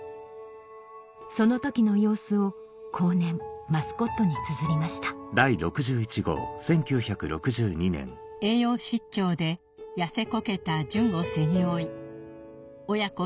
その時の様子を後年『マスコット』につづりました「栄養失調で痩せこけた淳を背に負い親子